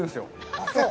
ああ、そう。